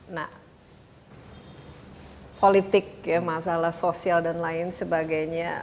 nah politik ya masalah sosial dan lain sebagainya